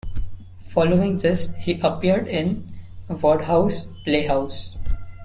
Following this, he appeared in "Wodehouse Playhouse".